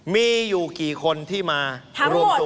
มีอยู่กี่คนที่มารวมตัว